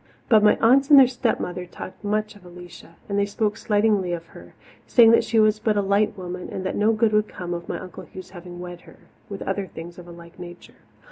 But my aunts and their stepmother talked much of Alicia, and they spoke slightingly of her, saying that she was but a light woman and that no good would come of my Uncle Hugh's having wed her, with other things of a like nature.